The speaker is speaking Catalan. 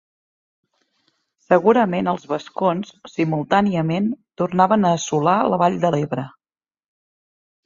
Segurament els vascons, simultàniament, tornaven a assolar la Vall de l'Ebre.